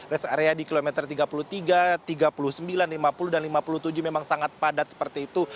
rest area di kilometer tiga puluh tiga tiga puluh sembilan lima puluh dan lima puluh tujuh memang sangat padat seperti itu